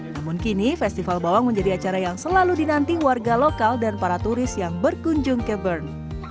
namun kini festival bawang menjadi acara yang selalu dinanti warga lokal dan para turis yang berkunjung ke bern